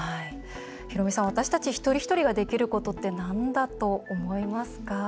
私たち一人一人ができることってなんだと思いますか？